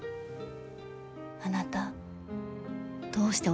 あなたどうして踊るの？